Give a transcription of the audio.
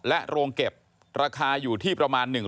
โรงเก็บราคาอยู่ที่ประมาณ